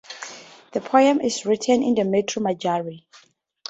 The poem is written in the metre "Manjari".